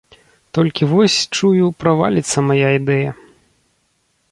Толькі вось, чую, праваліцца мая ідэя.